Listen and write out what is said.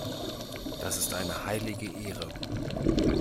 Das ist eine heilige Ehre.